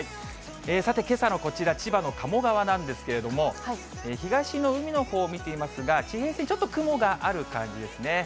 さて、けさのこちら、千葉の鴨川なんですけれども、東の海のほうを見ていますが、地平線、ちょっと雲がある感じですね。